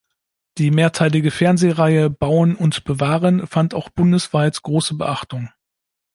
Die mehrteilige Fernsehreihe "Bauen und Bewahren" fand auch bundesweit große Beachtung.